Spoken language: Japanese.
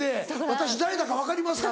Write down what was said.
「私誰だか分かりますか？